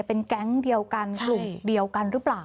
เป็นแก๊งเดียวกันกลุ่มเดียวกันหรือเปล่า